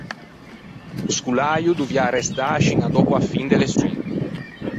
O scoläio o dovià arrestâ scin à dòppo a fin de leçioin.